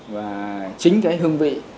và chính cái hương vị